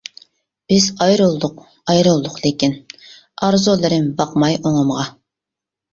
بىز ئايرىلدۇق، ئايرىلدۇق لېكىن، ئارزۇلىرىم باقماي ئوڭۇمغا.